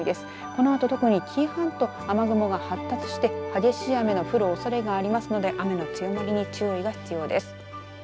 このあと特に、紀伊半島雨雲が発達して激しい雨が降るおそれがありますので雨の強まりに注意が必要です。